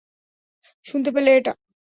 শুনতে পেলে এটা?